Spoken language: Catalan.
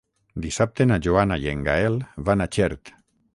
Dissabte na Joana i en Gaël van a Xert.